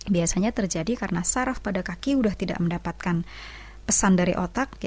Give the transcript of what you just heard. biasanya terjadi karena saraf pada kaki sudah tidak mendapatkan pesan dari otak